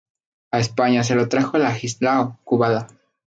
A España se lo trajo Ladislao Kubala.